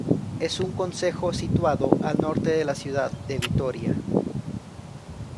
Es un concejo situado al norte de la ciudad de Vitoria.